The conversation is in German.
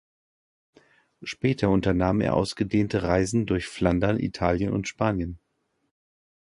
Später unternahm er ausgedehnte Reisen durch Flandern, Italien und Spanien.